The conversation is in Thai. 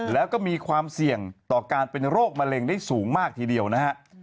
แล้วก็มีความเสี่ยงต่อการเป็นโรคมะเร็งได้สูงมากทีเดียวนะฮะ